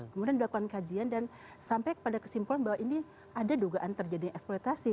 kemudian dilakukan kajian dan sampai kepada kesimpulan bahwa ini ada dugaan terjadi eksploitasi